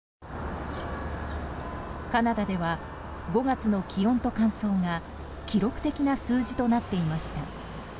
カナダでは５月の気温と乾燥が記録的な数字となっていました。